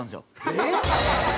えっ？